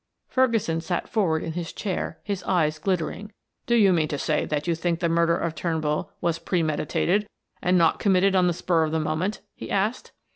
Ferguson sat forward in his chair, his eyes glittering. "Do you mean to say that you think the murder of Turnbull was premeditated and not committed on the spur of the moment?" he asked.